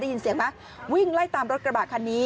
เห็นเห็นเสียงไหมวิ่งไล่ตามรถกระบาดคันนี้